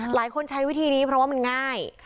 ใช้วิธีนี้เพราะว่ามันง่าย